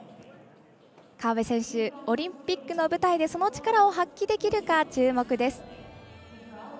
河辺選手、オリンピックの舞台でその力を発揮できるか注目です。